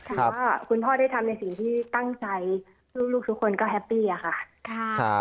คุณพ่อได้ทำในสิ่งที่ตั้งใจลูกทุกคนก็แฮปปี้อะค่ะ